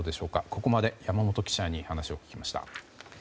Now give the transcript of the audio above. ここまで山本記者に話を聞きました。